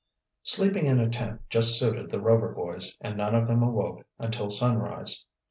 Sleeping in a tent just suited the Rover boys and none of them awoke until sunrise.